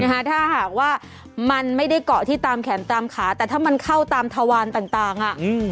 ถ้าหากว่ามันไม่ได้เกาะที่ตามแขนตามขาแต่ถ้ามันเข้าตามทวารต่าง